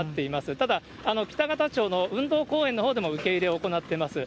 ただ北方町の運動公園のほうでも受け入れを行ってます。